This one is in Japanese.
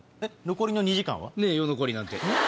残りの２時間は？ねえよ残りなんて。